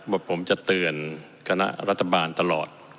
ผมจะเตือนคณะรัฐบาลตลอด